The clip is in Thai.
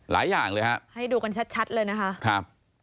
หลายอย่างเลยครับให้ดูกันชัดเลยนะฮะ